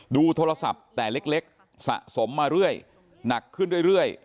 ดูโทรศัพท์แต่เล็กสะสมมาเรื่อยหนักขึ้นเรื่อย